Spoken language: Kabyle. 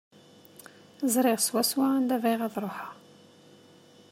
Ẓriɣ swaswa anda bɣiɣ ad ruḥeɣ.